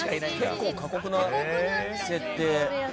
結構、過酷な設定。